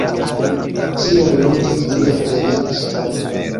Tiel longe vi ne revenis, panjo!